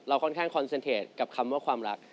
ค่อนข้างคอนเซ็นเทจกับคำว่าความรัก